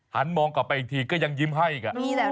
หันมองกลับไปอีกทีก็ยังยิ้มให้อีก